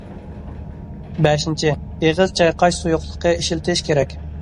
بەشىنچى، ئېغىز چايقاش سۇيۇقلۇقى ئىشلىتىش كېرەك.